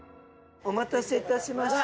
お待たせいたしました。